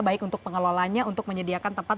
baik untuk pengelolanya untuk menyediakan tempat